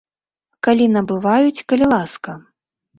Калі набываюць, калі ласка.